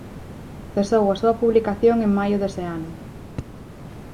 Cesou a súa publicación en maio dese ano.